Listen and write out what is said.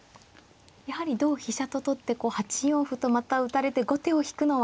やはり同飛車と取って８四歩とまた打たれて後手を引くのは。